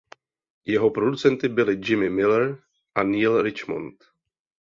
Jeho producenty byli Jimmy Miller a Neil Richmond.